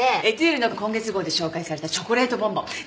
『エトゥール』の今月号で紹介されたチョコレートボンボン。